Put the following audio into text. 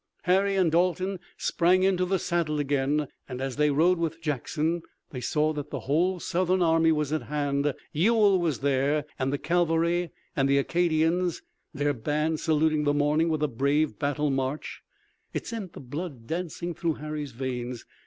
Harry and Dalton sprang into the saddle again, and, as they rode with Jackson, they saw that the whole Southern army was at hand. Ewell was there and the cavalry and the Acadians, their band saluting the morning with a brave battle march. It sent the blood dancing through Harry's veins.